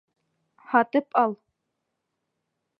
Һатып ал!